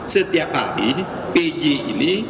setiap hari pg ini